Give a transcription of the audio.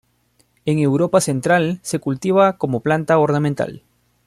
En Europa central se cultiva como planta ornamental.